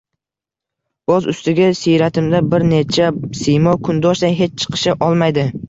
Boz ustiga siyratimda bir necha siymo kundoshday hech chiqisha olmaydi.